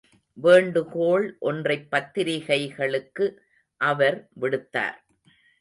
வேண்டுகோள் ஒன்றைப் பத்திரிகைகளுக்கு அவர் விடுத்தார்.